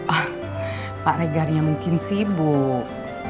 ah pak regarnya mungkin sibuk